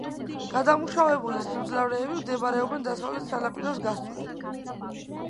გადამამუშავებელი სიმძლავრეები მდებარეობენ დასავლეთ სანაპიროს გასწვრივ.